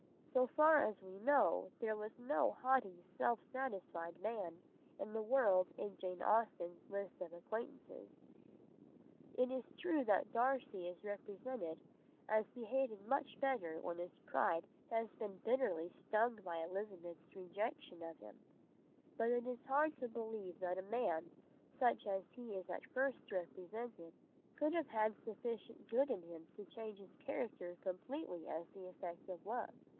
So far as we know there was no haughty, self satisfied man of the world in Jane Austen's list of acquaintances. It is true that Darcy is represented as behaving much better when his pride has been bitterly stung by Elizabeth's rejection of him, but it is hard to believe that a man, such as he is at first represented, could have had sufficient good in him to change his character completely as the effect of love.